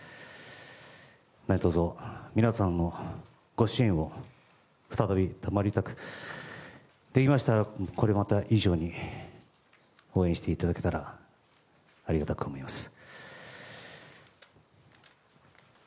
何卒、皆さんのご支援を再びたまわりたくできましたら、これまで以上に応援していただけたらありがたく思います。